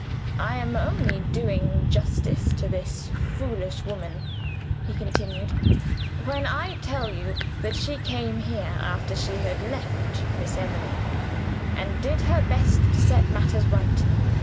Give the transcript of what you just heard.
"I am only doing justice to this foolish woman," he continued, "when I tell you that she came here, after she had left Miss Emily, and did her best to set matters right.